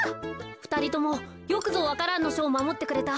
ふたりともよくぞ「わか蘭のしょ」をまもってくれた。